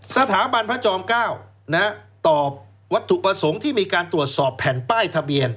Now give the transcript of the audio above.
สถาบันพระจอม๙ตอบวัตถุประสงค์ที่มีการตรวจสอบแผ่นป้ายทะเบียน